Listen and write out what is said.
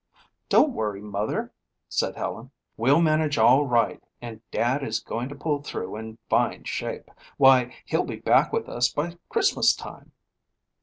"Don't worry, Mother," said Helen. "We'll manage all right and Dad is going to pull through in fine shape. Why, he'll be back with us by Christmas time."